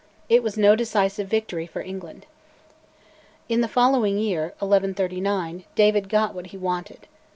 It was no decisive victory for England. In the following year (1139) David got what he wanted.